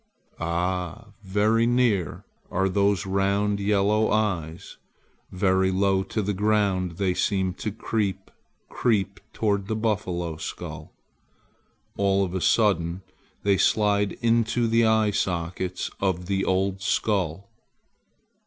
Ah, very near are those round yellow eyes! Very low to the ground they seem to creep creep toward the buffalo skull. All of a sudden they slide into the eye sockets of the old skull.